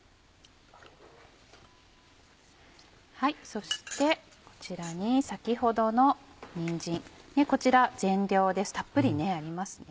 そしてこちらに先ほどのにんじんこちら全量ですたっぷりありますね。